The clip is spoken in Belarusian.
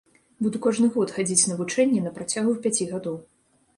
Буду кожны год хадзіць на вучэнні на працягу пяці гадоў.